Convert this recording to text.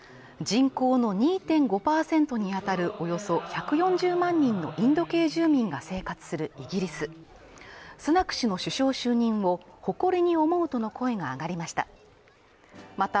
人口の２．５％にあたるおよそ１４０万人のインド系住民が生活するイギリススナク氏の首相就任を誇りに思うとの声が上がりました